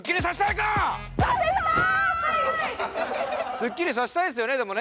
すっきりさせたいですよね、でもね。